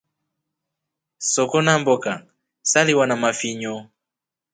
Soko na mboka saliwa na mafinyo.